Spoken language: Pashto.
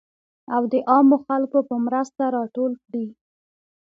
او د عامو خلکو په مرسته راټول کړي .